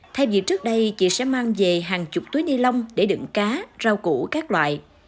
thay vì trước đây chị sẽ mang về hàng chục túi ni lông để đựng cá rau củ các loại